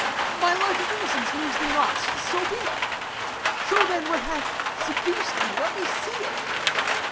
My life of innocence moves thee not; so be it. Show then what hath seduced me; let me see it.